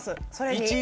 １位！